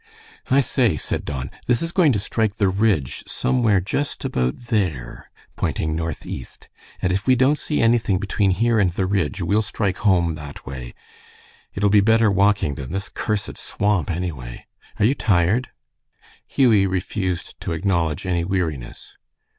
"I say," said Don, "this is going to strike the ridge somewhere just about there," pointing northeast, "and if we don't see anything between here and the ridge, we'll strike home that way. It'll be better walking than this cursed swamp, anyway. Are you tired?" Hughie refused to acknowledge any weariness.